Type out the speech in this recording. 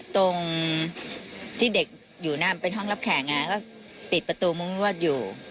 ตรงที่เด็กอยู่นั่นเป็นห้องรับแขกก็ปิดประตูมุ้งรวดอยู่